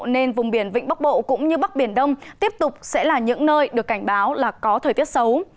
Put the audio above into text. nên vùng biển vịnh bắc bộ cũng như bắc biển đông tiếp tục sẽ là những nơi được cảnh báo là có thời tiết xấu